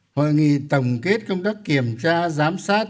hội nghị tổng kết công tác kiểm tra giám sát